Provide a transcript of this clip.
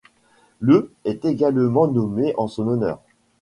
Le est également nommé en son honneur.